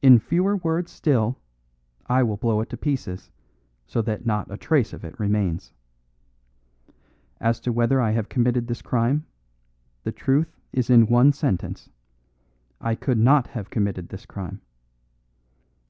In fewer words still I will blow it to pieces, so that not a trace of it remains. As to whether I have committed this crime, the truth is in one sentence: I could not have committed this crime.